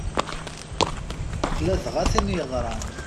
Ladɣa tin yeɣran.